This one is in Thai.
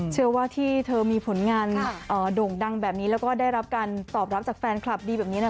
เชื่อว่าที่เธอมีผลงานโด่งดังแบบนี้แล้วก็ได้รับการตอบรับจากแฟนคลับดีแบบนี้นะ